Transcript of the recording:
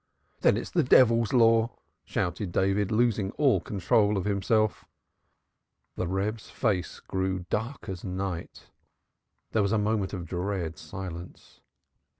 "Then it is the devil's law!" shouted David, losing all control of himself. The Reb's face grew dark as night. There was a moment of dread silence.